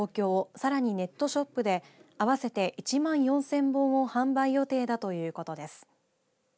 さらに、ネットショップで合わせて１万４０００本を販売予定だということです。